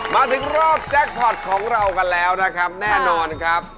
มาถึงรอบแจ็คพอร์ตของเรากันแล้วนะครับแน่นอนครับ